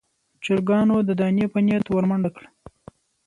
چرګانو د دانې په نيت ور منډه کړه.